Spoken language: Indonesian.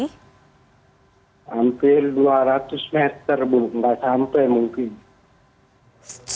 hampir dua ratus meter tidak sampai mungkin